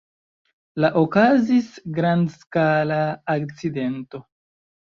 La okazis grandskala akcidento.